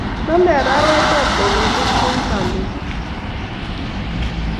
lolei arawet ak kokelik eng' kemopu